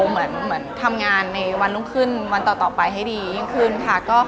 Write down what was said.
เหมือนทำงานในวันต่อไปให้ดีขึ้นค่ะ